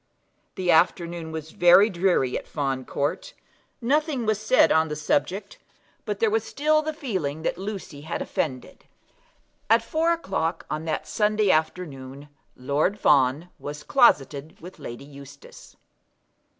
The afternoon was very dreary at Fawn Court. Nothing was said on the subject; but there was still the feeling that Lucy had offended. At four o'clock on that Sunday afternoon Lord Fawn was closeted with Lady Eustace.